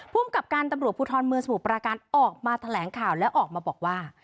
ภูมิกับการตำรวจภูทรเมืองสมุทรปราการออกมาแถลงข่าวและออกมาบอกว่า